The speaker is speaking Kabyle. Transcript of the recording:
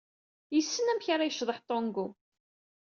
Yessen amek ara yecḍeḥ tango.